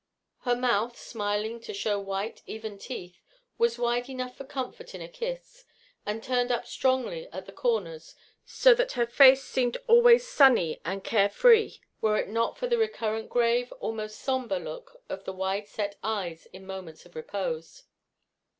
Her mouth, smiling to show white, even teeth, was wide enough for comfort in a kiss, and turned up strongly at the corners, so that her face seemed always sunny and carefree, were it not for the recurrent grave, almost somber look of the wide set eyes in moments of repose.